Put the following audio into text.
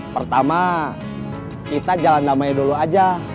pertama kita jalan damai dulu aja